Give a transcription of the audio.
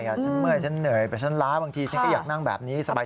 ฉันเมื่อยฉันเหนื่อยแต่ฉันล้าบางทีฉันก็อยากนั่งแบบนี้สบาย